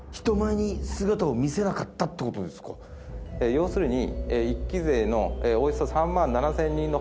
要するに。